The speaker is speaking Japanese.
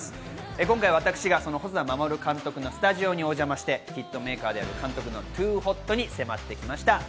今回私が細田守監督のスタジオにお邪魔して、ヒットメーカーである監督のＴｏｏｏｏｏｏｏＨＯＴ！に迫りました。